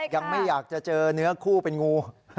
ยังไม่อยากจะเจอเนื้อคู่เป็นงู